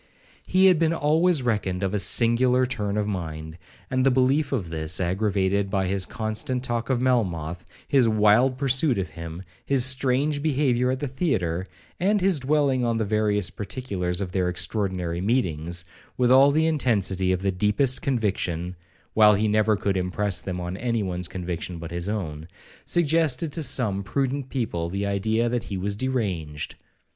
He had been always reckoned of a singular turn of mind, and the belief of this, aggravated by his constant talk of Melmoth, his wild pursuit of him, his strange behaviour at the theatre, and his dwelling on the various particulars of their extraordinary meetings, with all the intensity of the deepest conviction, (while he never could impress them on any one's conviction but his own), suggested to some prudent people the idea that he was deranged.